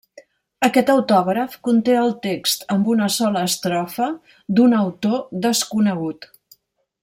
Aquest autògraf conté el text amb una sola estrofa d'un autor desconegut.